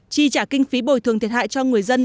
chi trả kinh phí bồi thường thiệt hại cho người dân